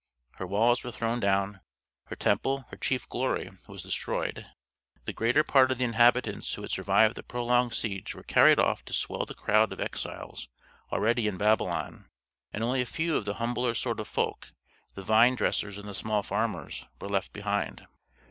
Her walls were thrown down, her temple, her chief glory, was destroyed, the greater part of the inhabitants who had survived the prolonged siege were carried off to swell the crowd of exiles already in Babylon, and only a few of the humbler sort of folk, the vine dressers and the small farmers, were left behind.